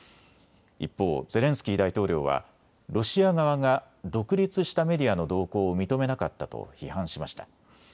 一方、ゼレンスキー大統領はロシア側が独立したメディアの同行を認めなかったと批判しました。